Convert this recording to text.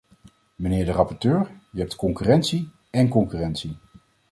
Meneer de rapporteur, je hebt concurrentie en concurrentie.